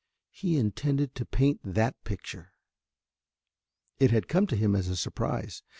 He intended to paint that picture. It had come to him as a surprise.